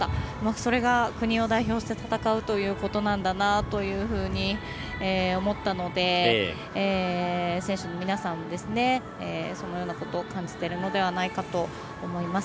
それが、国を代表して戦うということなんだなというふうに思ったので、選手の皆さんもそのようなことを感じてるのではないかと思います。